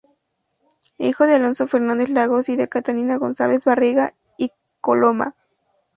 Hijo de Alonso Fernández Lagos y de Catalina González-Barriga y Coloma.